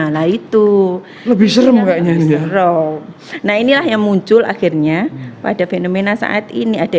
lah itu lebih serum kayaknya seru nah inilah yang muncul akhirnya pada fenomena saat ini ada